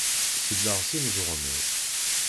Selleɣ s imeẓẓuɣen-iw.